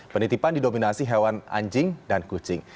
penitipan didominasi hewan anjing dan kucing